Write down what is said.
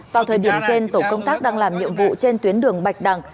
vào thời điểm trên tổ công tác đang làm nhiệm vụ trên tuyến đường bạch đằng